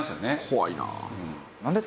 怖いな。